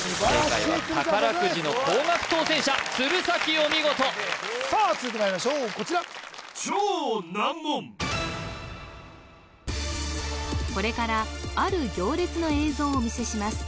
お見事さあ続いてまいりましょうこちらこれからある行列の映像をお見せします